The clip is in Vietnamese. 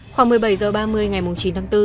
khoảng một mươi bảy h ba mươi ngày chín tháng bốn